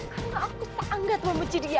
karena aku seanggat memuji dia